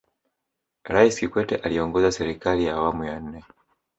rais kikwete aliongoza serikali ya awamu ya nne